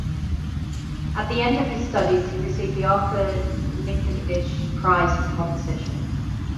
At the end of his studies he received the Arthur Nikisch Prize for composition.